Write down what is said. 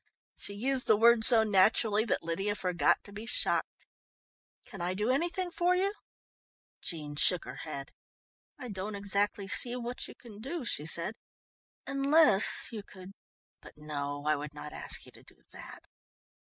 She used the word so naturally that Lydia forgot to be shocked. "Can I do anything for you?" Jean shook her head. "I don't exactly see what you can do," she said, "unless you could but, no, I would not ask you to do that!"